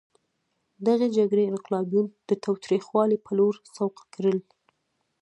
دغې جګړې انقلابیون د تاوتریخوالي په لور سوق کړل.